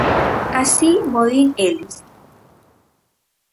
Así mo din eles.